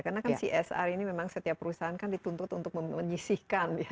karena kan si sr ini setiap perusahaan kan dituntut untuk menyisihkan